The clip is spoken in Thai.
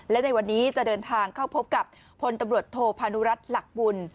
และในวันนี้จะเดินทางเข้าพบกับพลตำรวจโทพานุรัติหลักบุญ